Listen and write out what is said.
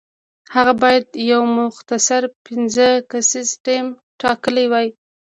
هغه باید یو مختصر پنځه کسیز ټیم ټاکلی وای.